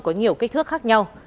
có nhiều kích thước khác nhau